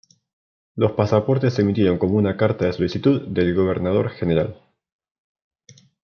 Los pasaportes se emitieron como una Carta de Solicitud del Gobernador General.